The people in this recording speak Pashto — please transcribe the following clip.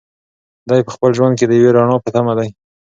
دی په خپل ژوند کې د یوې رڼا په تمه دی.